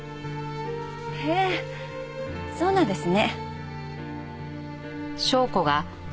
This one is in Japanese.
へえそうなんですね。